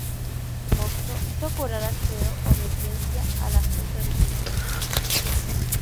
Moxó hizo jurar al clero obediencia a la Junta de Sevilla.